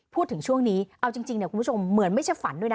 พูดถึงช่วงนี้เอาจริงเนี่ยคุณผู้ชมเหมือนไม่ใช่ฝันด้วยนะ